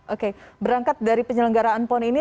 oke berangkat dari penyelenggaraan pon ini